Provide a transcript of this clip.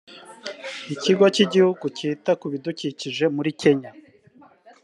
Ikigo cy’Igihugu cyita ku bidukikije muri Kenya